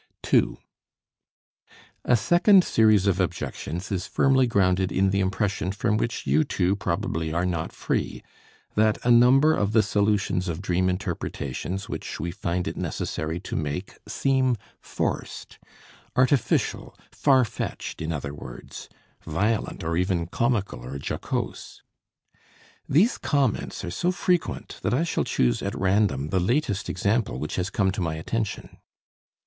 2. A second series of objections is firmly grounded in the impression from which you too probably are not free, that a number of the solutions of dream interpretations which we find it necessary to make seem forced, artificial, far fetched, in other words, violent or even comical or jocose. These comments are so frequent that I shall choose at random the latest example which has come to my attention.